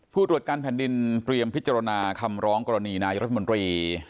ผู้ตรวจการแผ่นดินเตรียมพิจารณาคำร้องกรณีนายรัฐมนตรี